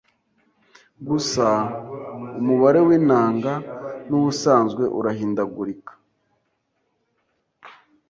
Gusa umubare w’intanga n’ubusanzwe urahindagurika